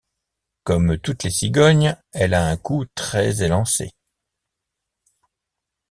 Comme toutes les cigognes, elle a un cou très élancé.